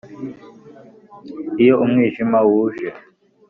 iyo umwijima wuje